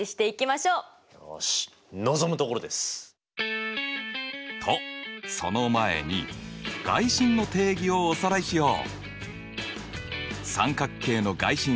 よし望むところです！とその前に外心の定義をおさらいしよう！